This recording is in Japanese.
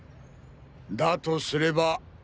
だとすれば。